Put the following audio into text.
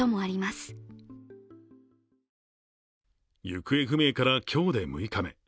行方不明から今日で６日目。